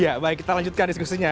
ya baik kita lanjutkan diskusinya